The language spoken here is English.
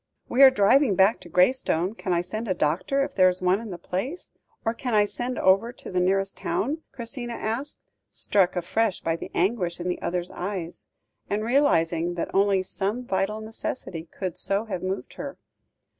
"We are driving back to Graystone. Can I send a doctor if there is one in the place? Or, can I send over to the nearest town?" Christina asked, struck afresh by the anguish in the other's eyes, and realising that only some vital necessity could so have moved her.